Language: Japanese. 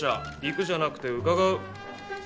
行くじゃなくて「伺う」。